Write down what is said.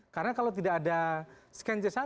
karena kalau tidak ada scan c satu